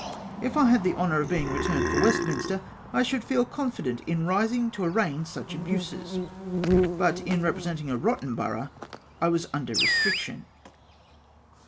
If I had the honour of being returned for Westminster, I should feel confident in rising to arraign such abuses. But in representing a rotten borough, I was under restriction."